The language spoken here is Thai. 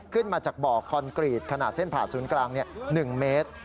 ขึ้นมาจากบ่อคอนกรีตขนาดเส้นผ่าศูนย์กลาง๑เมตร